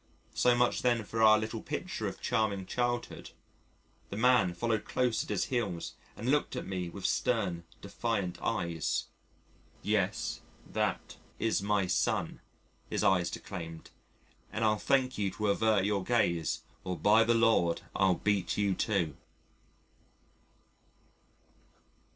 So much then for our little picture of charming childhood! The man followed close at his heels and looked at me with stern defiant eyes. "Yes, that is my son," his eyes declaimed, "and I'll thank you to avert your gaze or by the Lord I'll beat you too."